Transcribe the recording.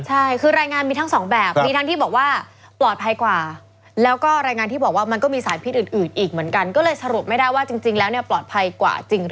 ใช่คือรายงานมีทั้ง๒แบบมีทั้งที่บอกว่าปลอดภัยกว่า